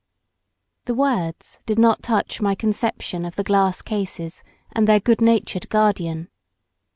The words did not touch my conception of the glass cases and their good natured guardian.